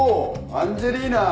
アンジェリーナ！